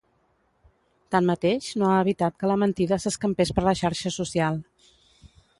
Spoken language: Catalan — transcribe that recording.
Tanmateix, no ha evitat que la mentida s’escampés per la xarxa social.